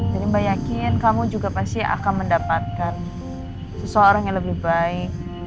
jadi mbak yakin kamu juga pasti akan mendapatkan seseorang yang lebih baik